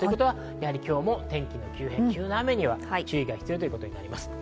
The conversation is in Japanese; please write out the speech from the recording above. やはり今日も天気の急変、急な雨には注意が必要ということになります。